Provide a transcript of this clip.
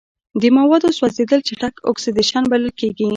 د موادو سوځیدل چټک اکسیدیشن بلل کیږي.